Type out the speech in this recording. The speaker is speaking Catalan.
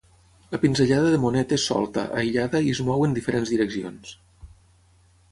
La pinzellada de Monet és solta, aïllada i es mou en diferents direccions.